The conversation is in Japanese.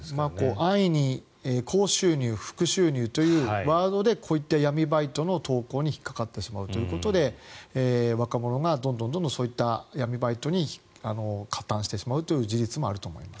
安易に高収入、副収入というワードでこういった闇バイトの投稿に引っかかってしまうということで若者がどんどんそういった闇バイトに加担してしまうという事実もあると思います。